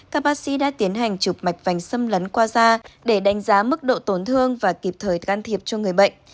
các bác sĩ đã tiến hành chụp mạch vành xâm lấn qua da để đánh giá mức độ tổn thương và kịp thời can thiệp cho người bệnh